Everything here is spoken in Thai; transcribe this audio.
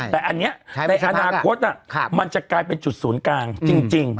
แต่อันนี้ในอนาคตมันจะกลายเป็นจุดศูนย์กลางจริง